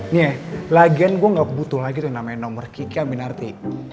nih lagian gue gak butuh lagi tuh yang namanya nomor kiki aminarti